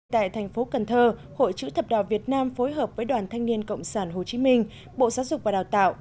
tại thành phố cần thơ hội chữ thập đỏ việt nam phối hợp với đoàn thanh niên cộng sản hồ chí minh bộ giáo dục và đào tạo